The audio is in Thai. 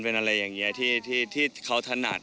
เป็นอะไรอย่างนี้ที่เขาถนัด